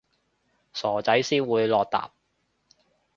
傻仔先會落疊